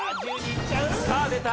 さあ出た！